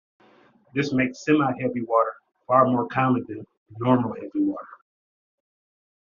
This makes semiheavy water far more common than "normal" heavy water.